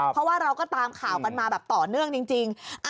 เพราะว่าเราก็ตามข่าวกันมาแบบต่อเนื่องจริง